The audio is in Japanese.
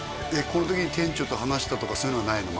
この時に店長と話したとかそういうのはないの？